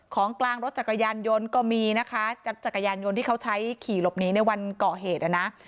ของกลางรถจักรยานยนต์ก็มีนะคะจักรยานยนต์ที่เขาใช้ขี่หลบหนีในวันก่อเหตุอ่ะนะ